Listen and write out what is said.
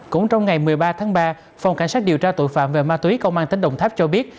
cũng trong ngày một mươi ba tháng ba phòng cảnh sát điều tra tội phạm về ma túy công an tỉnh đồng tháp cho biết